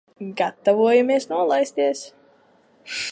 Gatavojamies nolaisties.